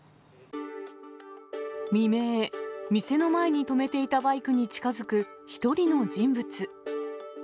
未明、店の前に止めていたバイクに近づく１人の人物。